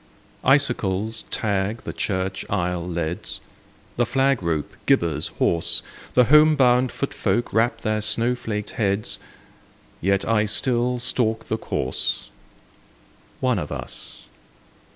Icicles tag the church aisle leads, The flag rope gibbers hoarse, The home bound foot folk wrap their snow flaked heads, Yet I still stalk the course,— One of us